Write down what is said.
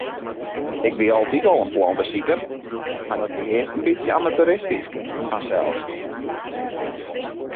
Ik wie altyd al in plantesiker, mar dat wie earst in bytsje amateuristysk fansels.